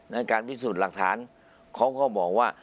ในการพิสูจน์หลักฐานเขาก็บอกว่า